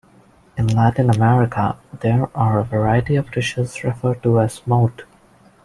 In Latin America there are a variety of dishes referred to as mote.